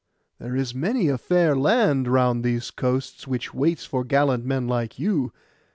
There is many a fair land round these coasts, which waits for gallant men like you.